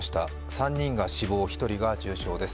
３人が死亡、１人が重傷です。